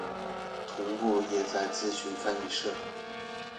同步也在諮詢翻譯社